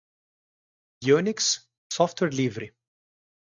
unix, software livre